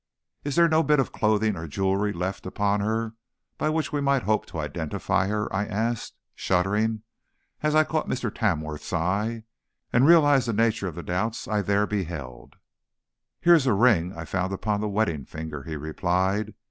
"Is there no bit of clothing or jewelry left upon her by which we might hope to identify her?" I asked, shuddering, as I caught Mr. Tamworth's eye, and realized the nature of the doubts I there beheld. "Here is a ring I found upon the wedding finger," he replied.